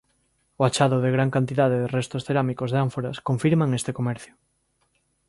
O achado de gran cantidade de restos cerámicos de ánforas confirman este comercio.